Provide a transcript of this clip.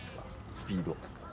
スピード？